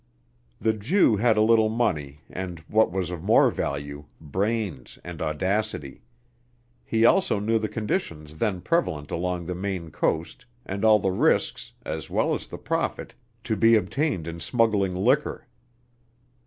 The Jew had a little money and, what was of more value, brains and audacity. He also knew the conditions then prevalent along the Maine coast, and all the risks, as well as the profit, to be obtained in smuggling liquor.